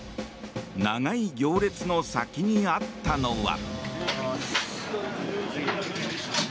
長い行列の先にあったのは。